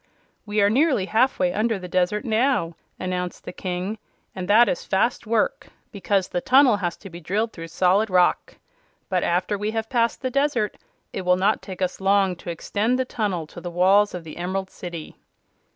"We are nearly halfway under the desert now," announced the King; "and that is fast work, because the tunnel has to be drilled through solid rock. But after we have passed the desert it will not take us long to extend the tunnel to the walls of the Emerald City."